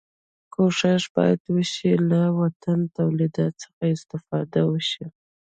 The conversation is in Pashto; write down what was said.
کوښښ باید وشي له وطني تولیداتو څخه استفاده وشي.